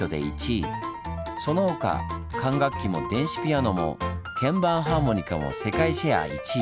その他管楽器も電子ピアノも鍵盤ハーモニカも世界シェア１位。